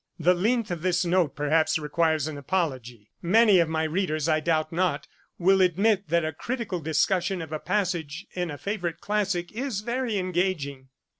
The length of this note perhaps requires an apology. Many of my readers, I doubt not, will admit that a critical discussion of a passage in a favourite classick is very engaging.